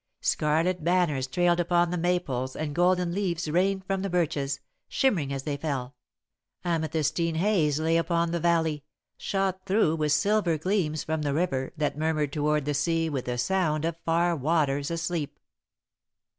Scarlet banners trailed upon the maples and golden leaves rained from the birches, shimmering as they fell. Amethystine haze lay upon the valley, shot through with silver gleams from the river that murmured toward the sea with the sound of far waters asleep.